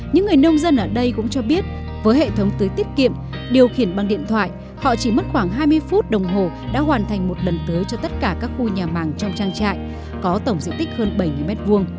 những người nông dân ở đây cũng cho biết với hệ thống tưới tiết kiệm điều khiển bằng điện thoại họ chỉ mất khoảng hai mươi phút đồng hồ đã hoàn thành một lần tưới cho tất cả các khu nhà màng trong trang trại có tổng diện tích hơn bảy m hai